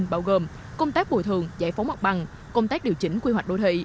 bao gồm công tác bồi thường giải phóng mặt bằng công tác điều chỉnh quy hoạch đô thị